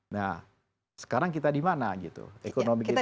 nah sekarang kita di mana gitu ekonomi kita